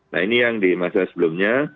nah ini yang di masa sebelumnya